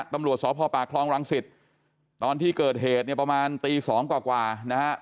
ตำรวจสพปากคลองรังสิตตอนที่เกิดเหตุเนี่ยประมาณตี๒กว่านะฮะ